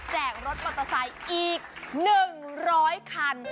รถมอเตอร์ไซค์อีก๑๐๐คัน